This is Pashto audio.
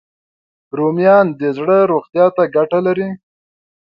رومیان د زړه روغتیا ته ګټه لري